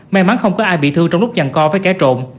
may mắn không có ai bị thương trong lúc nhằn co với cái trộn